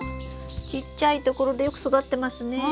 ちっちゃい所でよく育ってますね。